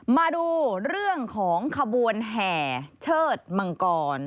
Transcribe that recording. มาดูเรื่องของขบวนแห่เชิดมังกร